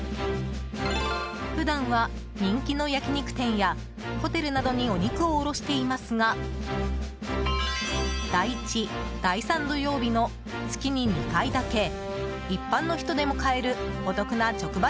普段は人気の焼き肉店やホテルなどにお肉を卸していますが第１、第３土曜日の月に２回だけ一般の人でも買えるお得な直売